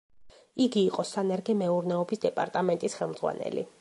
იგი იყო სანერგე მეურნეობის დეპარტამენტის ხელმძღვანელი.